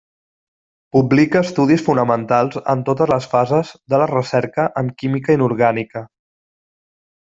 Publica estudis fonamentals en totes les fases de la recerca en química inorgànica.